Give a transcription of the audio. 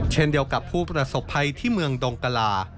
เช่นเดียวกับผู้ประสบภัยที่เมืองดงกลา